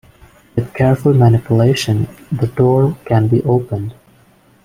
With careful manipulation, the door can be opened.